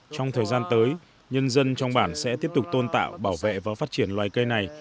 trong thời gian tới nhân dân trong bản sẽ tiếp tục tôn tạo bảo vệ và phát triển loài cây này